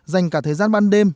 dành cả thời gian ban đêm